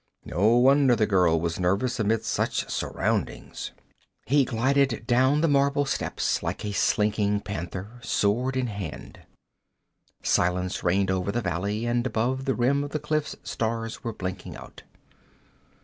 No wonder the girl was nervous amid such surroundings. He glided down the marble steps like a slinking panther, sword in hand. Silence reigned over the valley, and above the rim of the cliffs stars were blinking out.